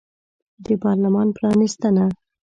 د پارلمان پرانیستنه